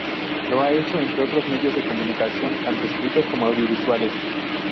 Lo ha hecho en otros medios de comunicación tanto escritos como audiovisuales.